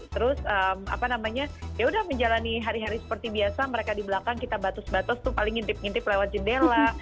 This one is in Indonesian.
terus apa namanya yaudah menjalani hari hari seperti biasa mereka di belakang kita batus batus tuh paling ngintip ngintip lewat jendela